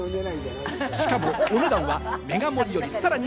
しかも、お値段はメガ盛りよりさらに